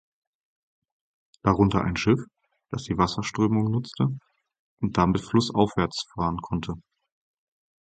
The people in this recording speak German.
Darunter ein Schiff, das die Wasserströmung nutzte und damit flussaufwärts fahren konnte.